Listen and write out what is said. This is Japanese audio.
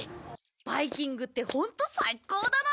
バイキングってホント最高だな！